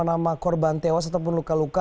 nama korban tewas ataupun luka luka